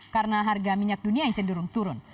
karena harga minyak dunia yang cenderung turun